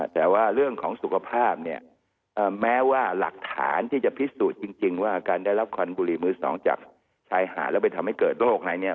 แต่ว่าเรื่องของสุขภาพเนี่ยแม้ว่าหลักฐานที่จะพิสูจน์จริงว่าการได้รับคอนบุรีมือสองจากชายหาดแล้วไปทำให้เกิดโรคอะไรเนี่ย